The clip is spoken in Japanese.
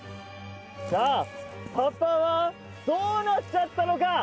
さあパパはどうなっちゃったのか！？